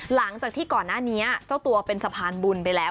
หลังจากที่ก่อนหน้านี้เจ้าตัวเป็นสะพานบุญไปแล้ว